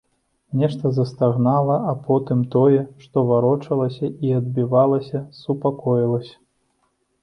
Нешта застагнала, а потым тое, што варочалася і адбівалася, супакоілася.